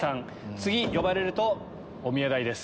次呼ばれるとおみや代です。